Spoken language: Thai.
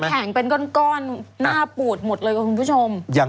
แข็งเป็นก้อนหน้าปูดหมดเลยคุณผู้ชม